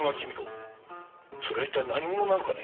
それは一体何者なのかね？